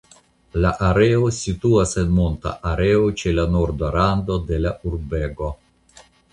La areo situas en monta areo ĉe la norda rando de la urbego.